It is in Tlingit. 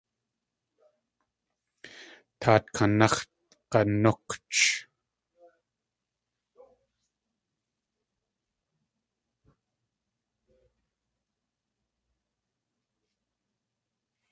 Taat kanax̲ g̲anúkch.